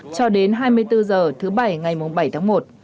cho đến hai mươi bốn h thứ bảy ngày bảy tháng một